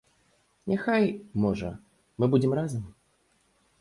Няхай, можа, мы будзем разам?